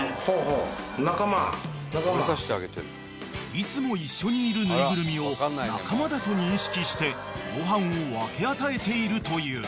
［いつも一緒にいるぬいぐるみを仲間だと認識してご飯を分け与えているという］